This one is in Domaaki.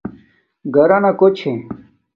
گھرانا کو چھے